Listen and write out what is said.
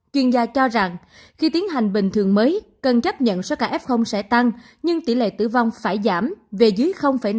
chuyên gia cho rằng khi tiến hành bình thường mới cần chấp nhận số ca f sẽ tăng nhưng tỷ lệ tử vong phải giảm về dưới năm